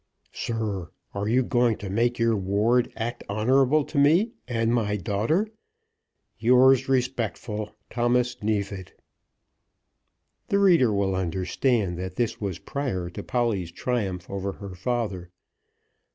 "Sir, Are you going to make your ward act honourable to me and my daughter? Yours, respectful, THOMAS NEEFIT." The reader will understand that this was prior to Polly's triumph over her father.